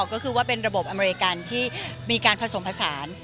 ก็คือว่าเป็นระบบอเมริกันที่มีการผสมผสาน